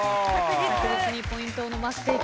確実にポイントを伸ばしていきます。